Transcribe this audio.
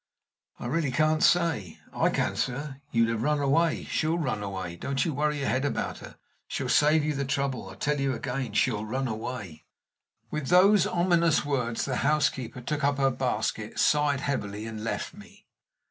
"I really can't say." "I can, sir. You'd have run away. She'll run away. Don't you worry your head about her she'll save you the trouble. I tell you again, she'll run away." With those ominous words the housekeeper took up her basket, sighed heavily, and left me.